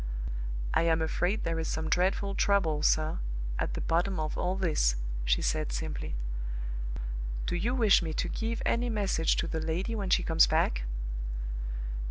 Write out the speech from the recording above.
"I am afraid there is some dreadful trouble, sir, at the bottom of all this," she said, simply. "Do you wish me to give any message to the lady when she comes back?"